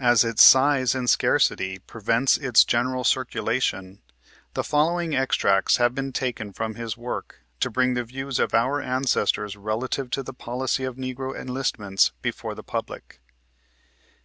As its size and ("3) scarcity prevents its general circulation, the following extracts have been taken from his work to bring the views of our ancestors relative to the policy of Negro enlistments before the public.